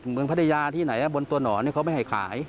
เมืองพัทยาที่ไหนบนตัวหนอนเขาไม่ให้ขาย